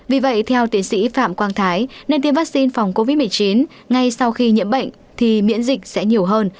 vì vậy theo tiến sĩ phạm quang thái nên tiêm vaccine phòng covid một mươi chín ngay sau khi nhiễm bệnh thì miễn dịch sẽ nhiều hơn